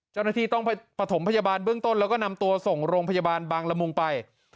เจ้าหน้าที่ต้องประถมพยาบาลเบื้องต้นแล้วก็นำตัวส่งโรงพยาบาลบางละมุงไป